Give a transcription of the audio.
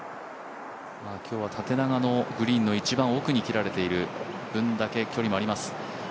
今日は縦長のグリーンの一番奥に切られている分だけ距離もあります。